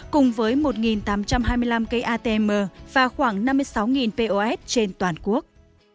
cùng với một tám trăm hai mươi năm cây atm và khoảng năm mươi sáu pos trên toàn quốc